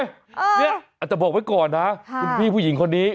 อาจจะบอกไว้ก่อนนะคุณพี่ผู้หญิงคนนี้